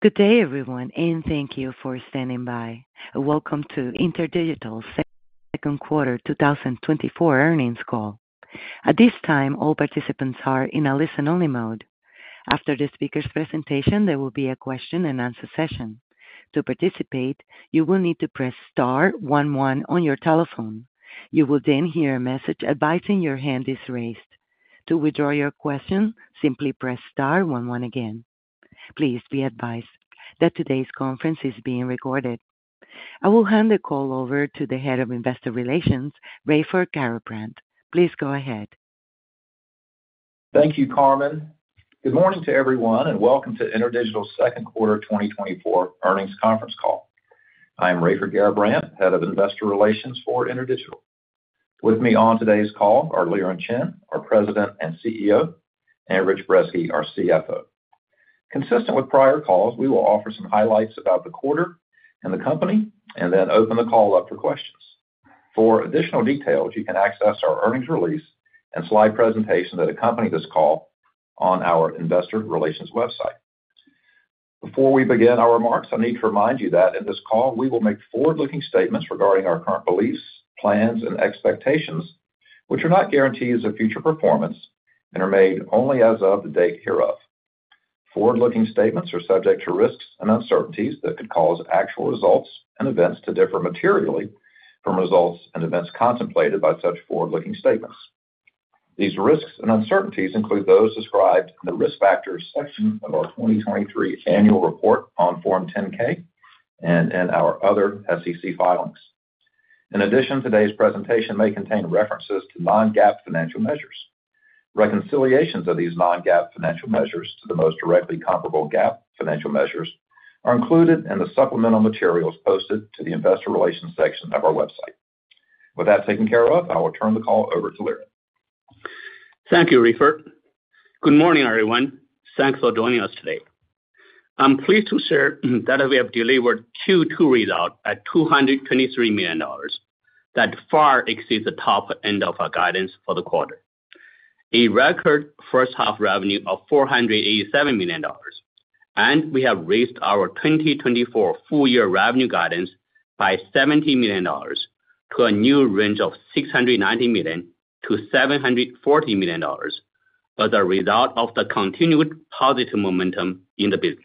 Good day, everyone, and thank you for standing by. Welcome to InterDigital Q2 2024 earnings call. At this time, all participants are in a listen-only mode. After the speaker's presentation, there will be a Q&A session. To participate, you will need to press star one one on your telephone. You will then hear a message advising your hand is raised. To withdraw your question, simply press star one one again. Please be advised that today's conference is being recorded. I will hand the call over to the Head of Investor Relations, Raiford Garrabrant. Please go ahead. Thank you, Carmen. Good morning to everyone, and welcome to InterDigital Q2 2024 earnings conference call. I am Raiford Garrabrant, Head of Investor Relations for InterDigital. With me on today's call are Liren Chen, our President and CEO, and Rich Brezski, our CFO. Consistent with prior calls, we will offer some highlights about the quarter and the company, and then open the call up for questions. For additional details, you can access our earnings release and slide presentation that accompany this call on our Investor Relations website. Before we begin our remarks, I need to remind you that in this call, we will make forward-looking statements regarding our current beliefs, plans, and expectations, which are not guarantees of future performance and are made only as of the date hereof. Forward-looking statements are subject to risks and uncertainties that could cause actual results and events to differ materially from results and events contemplated by such forward-looking statements. These risks and uncertainties include those described in the risk factors section of our 2023 annual report on Form 10-K and in our other SEC filings. In addition, today's presentation may contain references to non-GAAP financial measures. Reconciliations of these non-GAAP financial measures to the most directly comparable GAAP financial measures are included in the supplemental materials posted to the Investor Relations section of our website. With that taken care of, I will turn the call over to Liren. Thank you, Raiford. Good morning, everyone. Thanks for joining us today. I'm pleased to share that we have delivered Q2 result at $223 million that far exceeds the top end of our guidance for the quarter, a record H1 revenue of $487 million, and we have raised our 2024 full-year revenue guidance by $70 million to a new range of $690 million - $740 million as a result of the continued positive momentum in the business.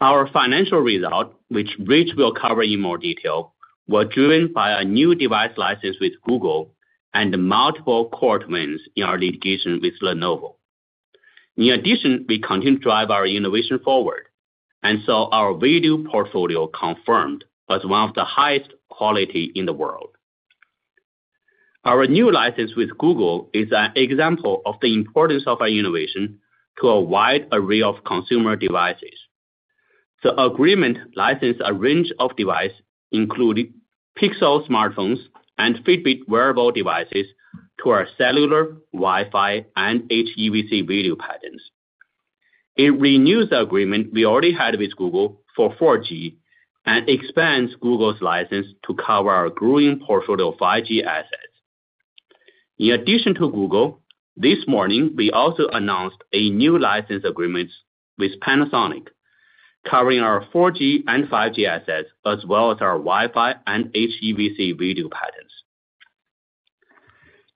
Our financial result, which Rich will cover in more detail, was driven by a new device license with Google and multiple court wins in our litigation with Lenovo. In addition, we continue to drive our innovation forward, and so our video portfolio confirmed as one of the highest quality in the world. Our new license with Google is an example of the importance of our innovation to a wide array of consumer devices. The agreement licenses a range of devices, including Pixel smartphones and Fitbit wearable devices, to our cellular, Wi-Fi, and HEVC video patents. It renews the agreement we already had with Google for 4G and expands Google's license to cover our growing portfolio of 5G assets. In addition to Google, this morning, we also announced a new license agreement with Panasonic covering our 4G and 5G assets, as well as our Wi-Fi and HEVC video patents.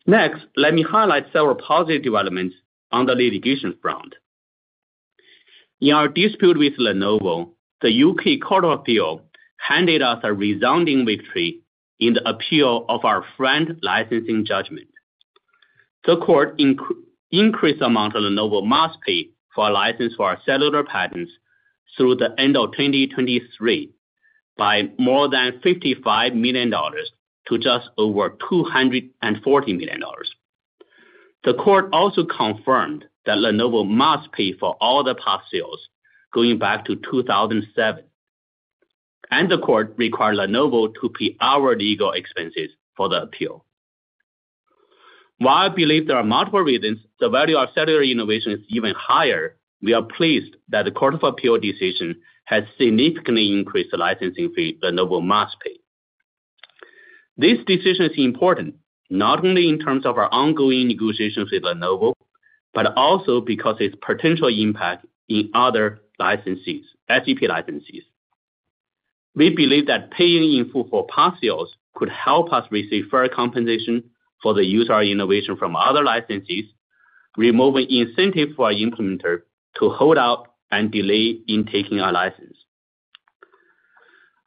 Next, let me highlight several positive developments on the litigation front. In our dispute with Lenovo, the U.K. Court of Appeal handed us a resounding victory in the appeal of our FRAND licensing judgment. The court increased the amount Lenovo must pay for a license for our cellular patents through the end of 2023 by more than $55 million to just over $240 million. The court also confirmed that Lenovo must pay for all the past sales going back to 2007, and the court required Lenovo to pay our legal expenses for the appeal. While I believe there are multiple reasons the value of cellular innovation is even higher, we are pleased that the Court of Appeal decision has significantly increased the licensing fee Lenovo must pay. This decision is important not only in terms of our ongoing negotiations with Lenovo, but also because of its potential impact in other SEP licenses. We believe that paying in full for past sales could help us receive fair compensation for the use of our innovation from other licenses, removing incentive for our implementer to hold out and delay in taking our license.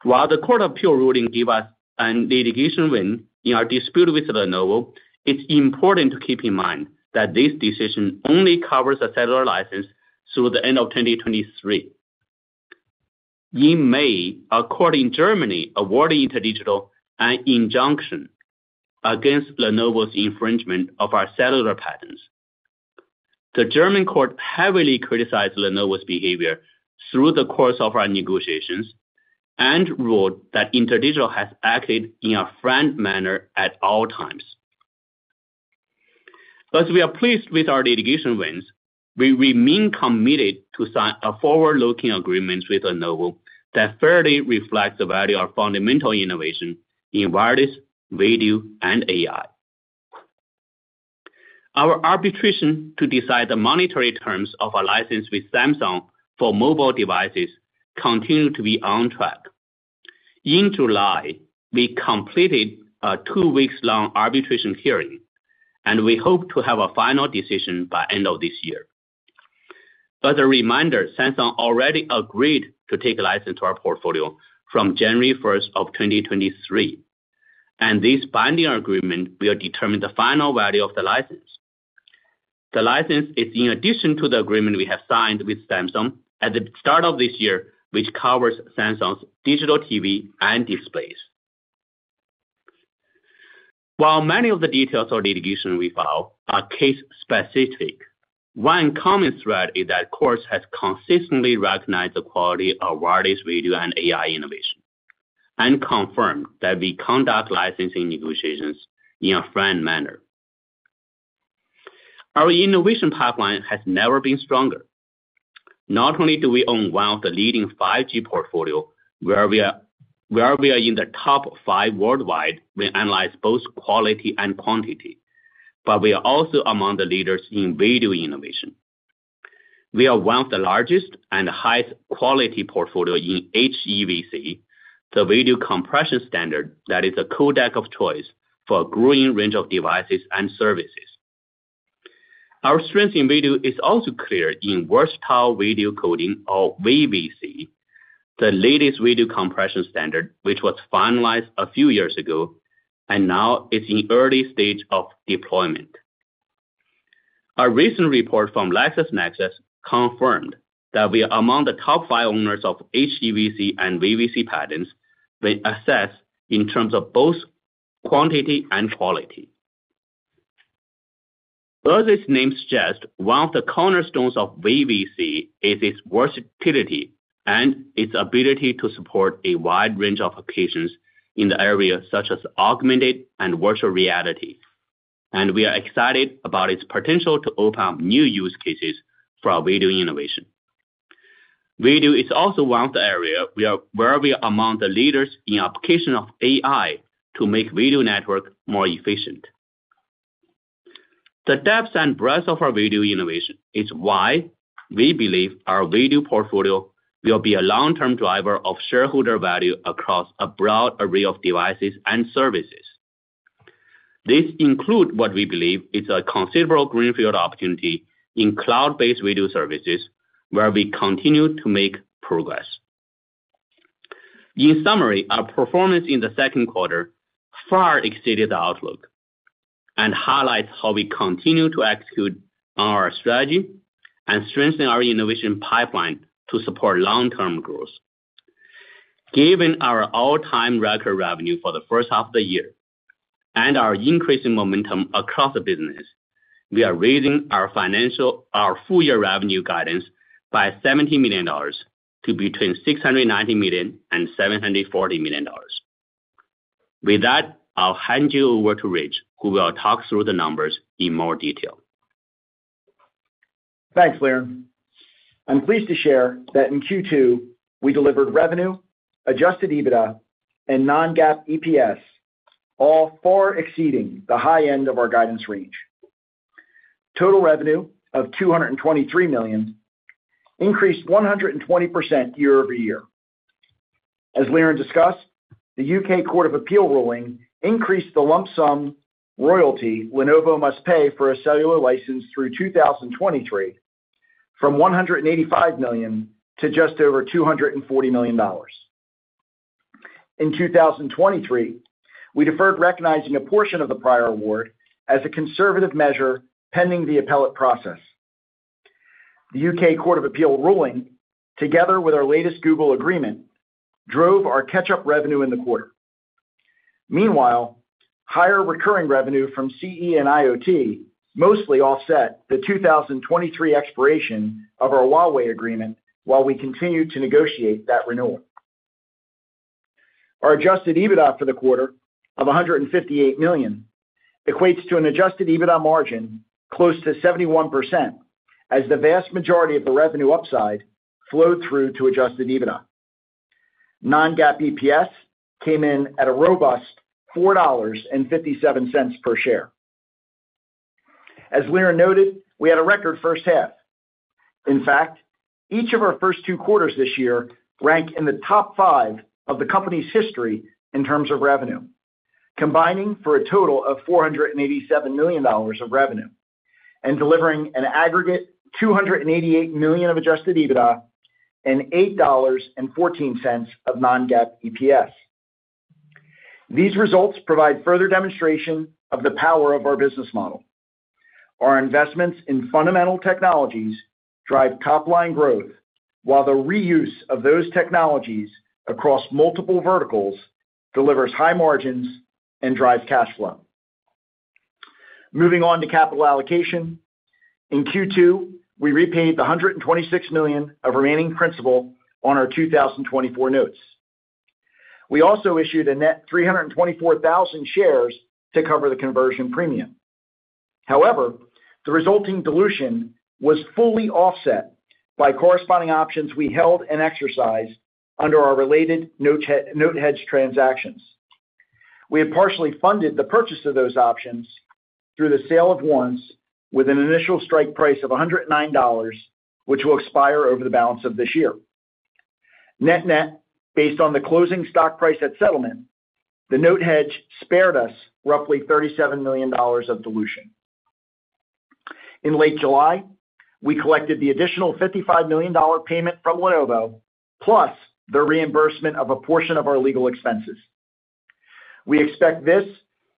While the Court of Appeal ruling gave us a litigation win in our dispute with Lenovo, it's important to keep in mind that this decision only covers a cellular license through the end of 2023. In May, a court in Germany awarded InterDigital an injunction against Lenovo's infringement of our cellular patents. The German court heavily criticized Lenovo's behavior through the course of our negotiations and ruled that InterDigital has acted in a friendly manner at all times. As we are pleased with our litigation wins, we remain committed to sign a forward-looking agreement with Lenovo that fairly reflects the value of fundamental innovation in wireless, video, and AI. Our arbitration to decide the monetary terms of our license with Samsung for mobile devices continues to be on track. In July, we completed a 2-week long arbitration hearing, and we hope to have a final decision by the end of this year. As a reminder, Samsung already agreed to take a license to our portfolio from January 1st of 2023, and this binding agreement will determine the final value of the license. The license is in addition to the agreement we have signed with Samsung at the start of this year, which covers Samsung's digital TV and displays. While many of the details of litigation we filed are case-specific, one common thread is that the court has consistently recognized the quality of wireless video and AI innovation and confirmed that we conduct licensing negotiations in a friendly manner. Our innovation pipeline has never been stronger. Not only do we own one of the leading 5G portfolios where we are in the top five worldwide when analyzed both quality and quantity, but we are also among the leaders in video innovation. We are one of the largest and highest quality portfolios in HEVC, the video compression standard that is a codec of choice for a growing range of devices and services. Our strength in video is also clear in Versatile Video Coding, or VVC, the latest video compression standard which was finalized a few years ago and now is in the early stage of deployment. Our recent report from LexisNexis confirmed that we are among the top five owners of HEVC and VVC patents when assessed in terms of both quantity and quality. As its name suggests, one of the cornerstones of VVC is its versatility and its ability to support a wide range of occasions in the area such as augmented and virtual reality, and we are excited about its potential to open up new use cases for video innovation. Video is also one of the areas where we are among the leaders in application of AI to make video networks more efficient. The depth and breadth of our video innovation is why we believe our video portfolio will be a long-term driver of shareholder value across a broad array of devices and services. This includes what we believe is a considerable greenfield opportunity in cloud-based video services where we continue to make progress. In summary, our performance in the Q2 far exceeded the outlook and highlights how we continue to execute on our strategy and strengthen our innovation pipeline to support long-term growth. Given our all-time record revenue for the H1 of the year and our increasing momentum across the business, we are raising our full-year revenue guidance by $70 million to between $690 million and $740 million. With that, I'll hand you over to Rich, who will talk through the numbers in more detail. Thanks, Liren. I'm pleased to share that in Q2, we delivered revenue, adjusted EBITDA, and non-GAAP EPS, all far exceeding the high end of our guidance range. Total revenue of $223 million increased 120% year-over-year. As Liren discussed, the U.K. Court of Appeal ruling increased the lump sum royalty Lenovo must pay for a cellular license through 2023 from $185 million to just over $240 million. In 2023, we deferred recognizing a portion of the prior award as a conservative measure pending the appellate process. The U.K. Court of Appeal ruling, together with our latest Google agreement, drove our catch-up revenue in the quarter. Meanwhile, higher recurring revenue from CE and IoT mostly offset the 2023 expiration of our Huawei agreement while we continued to negotiate that renewal. Our adjusted EBITDA for the quarter of $158 million equates to an adjusted EBITDA margin close to 71% as the vast majority of the revenue upside flowed through to adjusted EBITDA. Non-GAAP EPS came in at a robust $4.57 per share. As Liren noted, we had a record H1. In fact, each of our first two quarters this year ranked in the top five of the company's history in terms of revenue, combining for a total of $487 million of revenue and delivering an aggregate $288 million of adjusted EBITDA and $8.14 of non-GAAP EPS. These results provide further demonstration of the power of our business model. Our investments in fundamental technologies drive top-line growth, while the reuse of those technologies across multiple verticals delivers high margins and drives cash flow. Moving on to capital allocation, in Q2, we repaid the $126 million of remaining principal on our 2024 notes. We also issued a net 324,000 shares to cover the conversion premium. However, the resulting dilution was fully offset by corresponding options we held and exercised under our related note hedge transactions. We had partially funded the purchase of those options through the sale of ones with an initial strike price of $109, which will expire over the balance of this year. Net-net, based on the closing stock price at settlement, the note hedge spared us roughly $37 million of dilution. In late July, we collected the additional $55 million payment from Lenovo, plus the reimbursement of a portion of our legal expenses. We expect this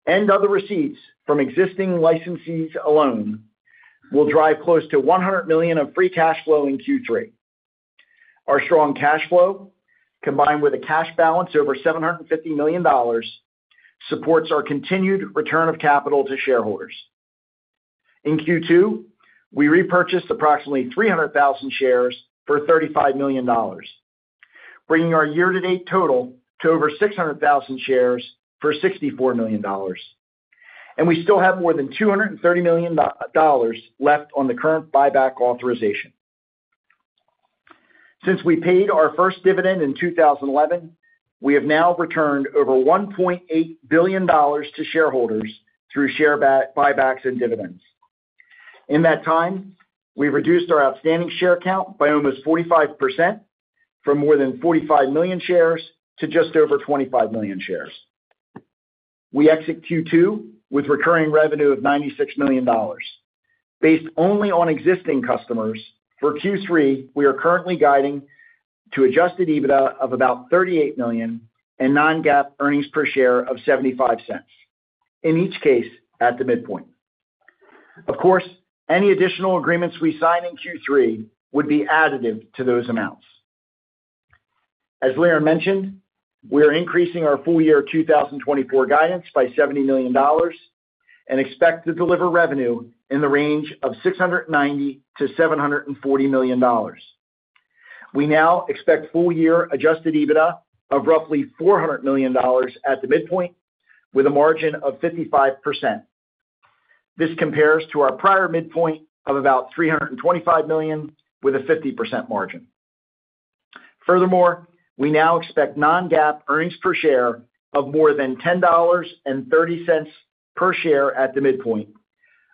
and other receipts from existing licenses alone will drive close to $100 million of free cash flow in Q3. Our strong cash flow, combined with a cash balance over $750 million, supports our continued return of capital to shareholders. In Q2, we repurchased approximately 300,000 shares for $35 million, bringing our year-to-date total to over 600,000 shares for $64 million. We still have more than $230 million left on the current buyback authorization. Since we paid our first dividend in 2011, we have now returned over $1.8 billion to shareholders through share buybacks and dividends. In that time, we've reduced our outstanding share count by almost 45% from more than 45 million shares to just over 25 million shares. We exit Q2 with recurring revenue of $96 million. Based only on existing customers, for Q3, we are currently guiding to adjusted EBITDA of about $38 million and non-GAAP earnings per share of $0.75, in each case at the midpoint. Of course, any additional agreements we sign in Q3 would be additive to those amounts. As Liren mentioned, we are increasing our full-year 2024 guidance by $70 million and expect to deliver revenue in the range of $690 million - $740 million. We now expect full-year adjusted EBITDA of roughly $400 million at the midpoint with a margin of 55%. This compares to our prior midpoint of about $325 million with a 50% margin. Furthermore, we now expect non-GAAP earnings per share of more than $10.30 per share at the midpoint,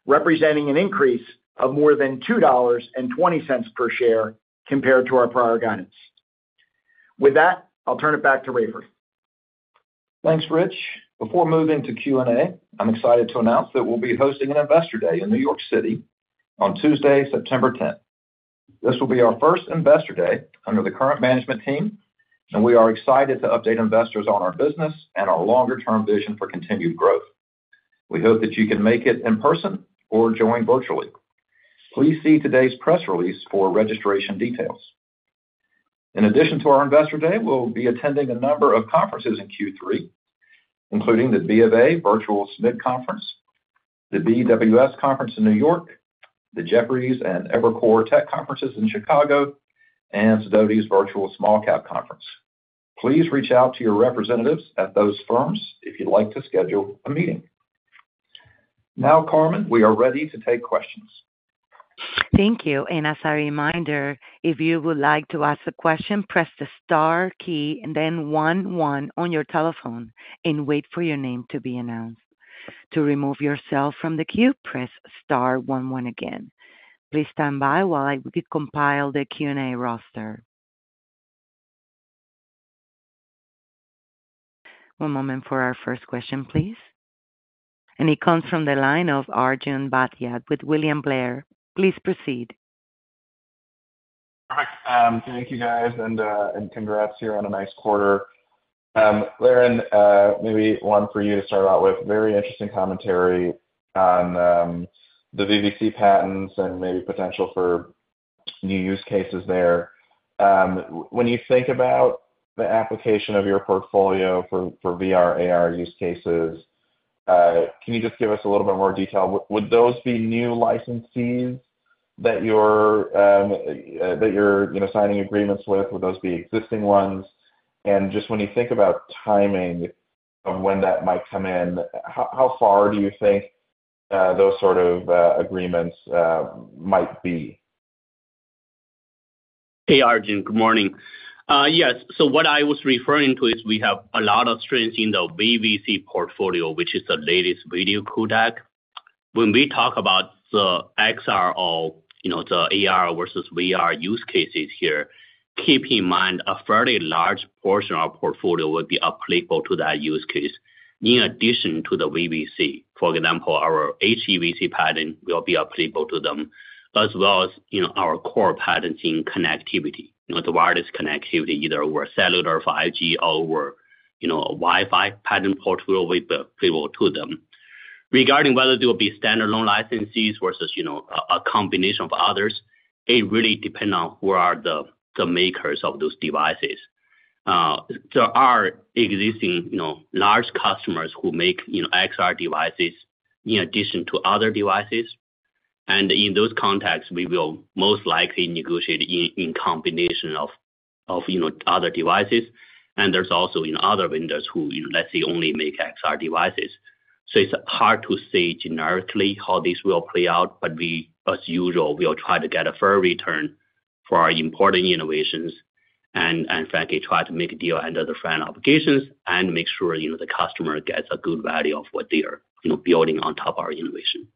representing an increase of more than $2.20 per share compared to our prior guidance. With that, I'll turn it back to Raiford. Thanks, Rich. Before moving to Q&A, I'm excited to announce that we'll be hosting an Investor Day in New York City on Tuesday, September 10th. This will be our first Investor Day under the current management team, and we are excited to update investors on our business and our longer-term vision for continued growth. We hope that you can make it in person or join virtually. Please see today's press release for registration details. In addition to our Investor Day, we'll be attending a number of conferences in Q3, including the BofA Virtual SMID Conference, the BWS Conference in New York, the Jefferies and Evercore Tech Conferences in Chicago, and Sidoti Virtual Small Cap Conference. Please reach out to your representatives at those firms if you'd like to schedule a meeting. Now, Carmen, we are ready to take questions. Thank you. As a reminder, if you would like to ask a question, press the star key and then one one on your telephone and wait for your name to be announced. To remove yourself from the queue, press star one one again. Please stand by while I compile the Q&A roster. One moment for our first question, please. It comes from the line of Arjun Bhatia with William Blair. Please proceed. Perfect. Thank you, guys, and congrats here on a nice quarter. Liren, maybe one for you to start out with. Very interesting commentary on the VVC patents and maybe potential for new use cases there. When you think about the application of your portfolio for VR/AR use cases, can you just give us a little bit more detail? Would those be new licensees that you're signing agreements with? Would those be existing ones? And just when you think about timing of when that might come in, how far do you think those sort of agreements might be? Hey, Arjun, good morning. Yes. So what I was referring to is we have a lot of strengths in the VVC portfolio, which is the latest video codec. When we talk about the XR or the AR versus VR use cases here, keep in mind a fairly large portion of our portfolio will be applicable to that use case in addition to the VVC. For example, our HEVC patent will be applicable to them, as well as our core patents in connectivity, the wireless connectivity, either over cellular for 5G or over Wi-Fi patent portfolio will be applicable to them. Regarding whether they will be standalone licensees versus a combination of others, it really depends on who are the makers of those devices. There are existing large customers who make XR devices in addition to other devices. In those contexts, we will most likely negotiate in combination of other devices. There's also other vendors who, let's say, only make XR devices. It's hard to say generically how this will play out, but we, as usual, will try to get a fair return for our important innovations and, frankly, try to make a deal under the FRAND obligations and make sure the customer gets a good value of what they are building on top of our innovation.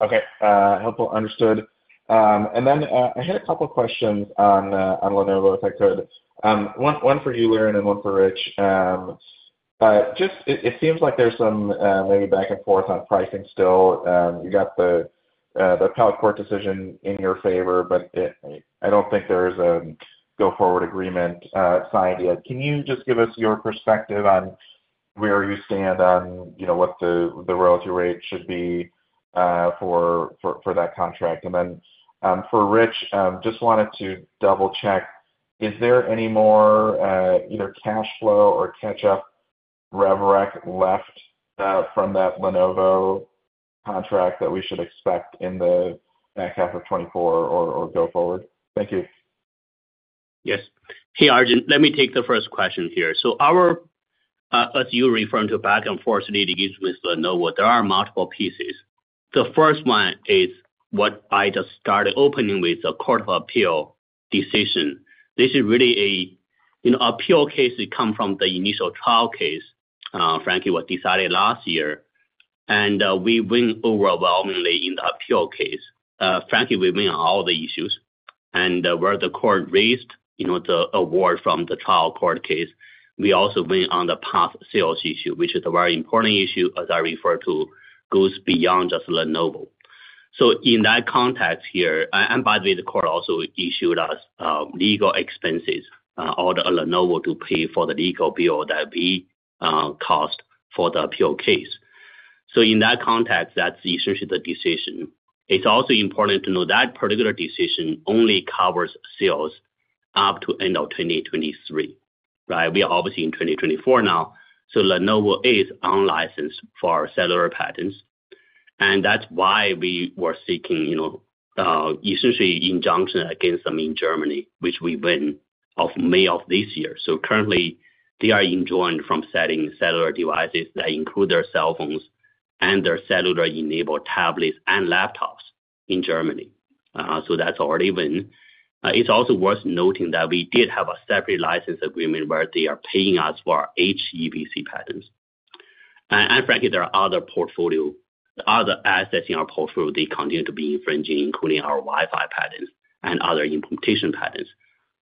Okay. Helpful. Understood. And then I had a couple of questions on Lenovo if I could. One for you, Liren, and one for Rich. Just, it seems like there's some maybe back and forth on pricing still. You got the Appeal Court decision in your favor, but I don't think there is a go-forward agreement signed yet. Can you just give us your perspective on where you stand on what the royalty rate should be for that contract? And then for Rich, just wanted to double-check, is there any more either cash flow or catch-up, rev rec left from that Lenovo contract that we should expect in the half of 2024 or go forward? Thank you. Yes. Hey, Arjun, let me take the first question here. So as you referred to back and forth, Liren agrees with Lenovo, there are multiple pieces. The first one is what I just started opening with, the Court of Appeal decision. This is really an appeal case that comes from the initial trial case, frankly, that was decided last year. And we win overwhelmingly in the appeal case. Frankly, we win on all the issues. And where the court raised the award from the trial court case, we also win on the past sales issue, which is a very important issue as I referred to goes beyond just Lenovo. So in that context here, and by the way, the court also awarded us legal expenses, all to Lenovo to pay for the legal bill that we incurred for the appeal case. So in that context, that's essentially the decision. It's also important to know that particular decision only covers sales up to end of 2023, right? We are obviously in 2024 now. So Lenovo is unlicensed for our cellular patents. And that's why we were seeking essentially injunction against them in Germany, which we won in May of this year. So currently, they are enjoined from selling cellular devices that include their cell phones and their cellular-enabled tablets and laptops in Germany. So that's already win. It's also worth noting that we did have a separate license agreement where they are paying us for our HEVC patents. And frankly, there are other portfolio, other assets in our portfolio they continue to be infringing, including our Wi-Fi patents and other implementation patents.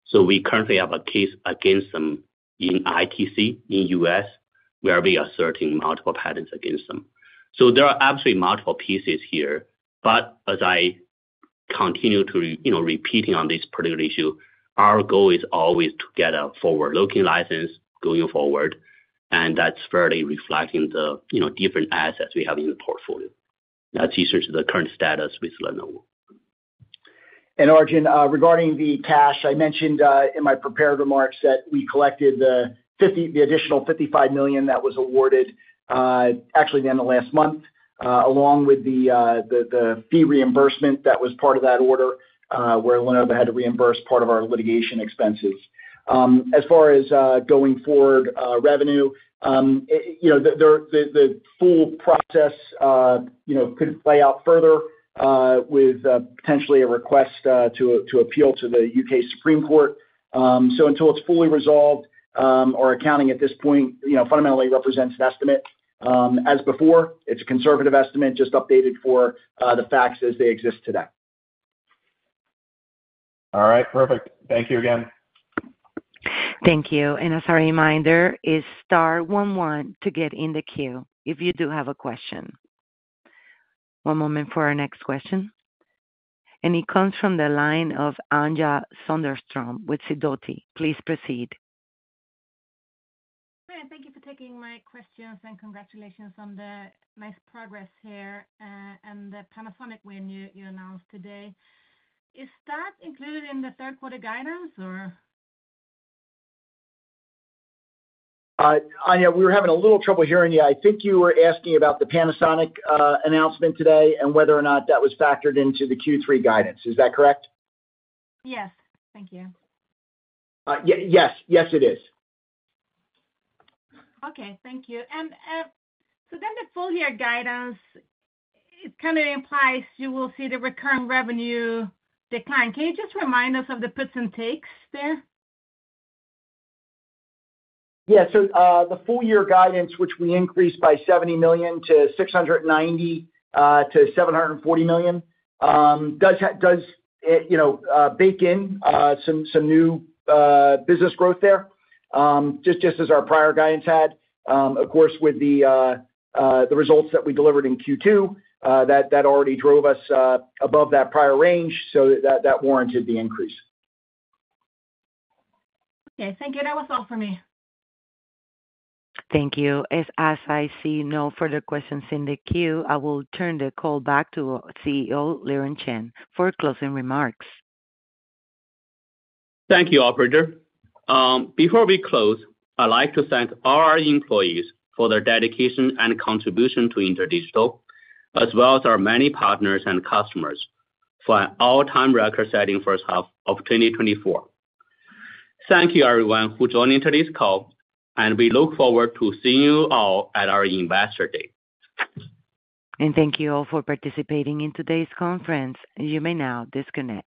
So we currently have a case against them in ITC in the U.S., where we are asserting multiple patents against them. So there are absolutely multiple pieces here. As I continue to repeat on this particular issue, our goal is always to get a forward-looking license going forward. That's fairly reflecting the different assets we have in the portfolio. That's essentially the current status with Lenovo. Arjun, regarding the cash, I mentioned in my prepared remarks that we collected the additional $55 million that was awarded actually in the last month, along with the fee reimbursement that was part of that order where Lenovo had to reimburse part of our litigation expenses. As far as going forward revenue, the full process could play out further with potentially a request to appeal to the U.K. Supreme Court. So until it's fully resolved, our accounting at this point fundamentally represents an estimate. As before, it's a conservative estimate, just updated for the facts as they exist today. All right. Perfect. Thank you again. Thank you. And as a reminder, it's star one one to get in the queue if you do have a question. One moment for our next question. And it comes from the line of Anja Soderstrom with Sidoti. Please proceed. Thank you for taking my questions and congratulations on the nice progress here and the Panasonic win you announced today. Is that included in the Q3 guidance, or? Anja, we were having a little trouble hearing you. I think you were asking about the Panasonic announcement today and whether or not that was factored into the Q3 guidance. Is that correct? Yes. Thank you. Yes. Yes, it is. Okay. Thank you. And so then the full-year guidance, it kind of implies you will see the recurring revenue decline. Can you just remind us of the puts and takes there? Yeah. So the full-year guidance, which we increased by $70 million to $690 million - $740 million, does bake in some new business growth there, just as our prior guidance had. Of course, with the results that we delivered in Q2, that already drove us above that prior range, so that warranted the increase. Okay. Thank you. That was all for me. Thank you. As I see no further questions in the queue, I will turn the call back to CEO Liren Chen for closing remarks. Thank you, Raiford. Before we close, I'd like to thank all our employees for their dedication and contribution to InterDigital, as well as our many partners and customers for an all-time record-setting H1 of 2024. Thank you, everyone, who joined InterDigital call, and we look forward to seeing you all at our Investor Day. And thank you all for participating in today's conference. You may now disconnect.